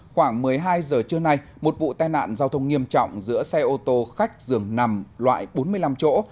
khoảng một mươi hai giờ trưa nay một vụ tai nạn giao thông nghiêm trọng giữa xe ô tô khách dường nằm loại bốn mươi năm chỗ